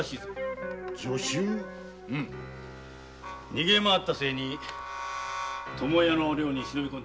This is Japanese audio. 逃げ回った末に巴屋女囚？の寮に忍び込んだのだ。